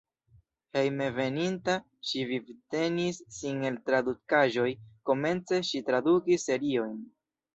Hejmenveninta ŝi vivtenis sin el tradukaĵoj, komence ŝi tradukis seriojn.